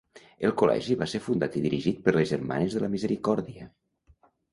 El col·legi va ser fundat i dirigit per les Germanes de la Misericòrdia.